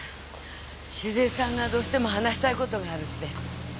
志寿江さんがどうしても話したいことがあるって。